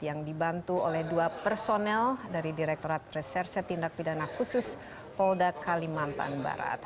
yang dibantu oleh dua personel dari direktorat preserse tindak pidana khusus polda kalimantan barat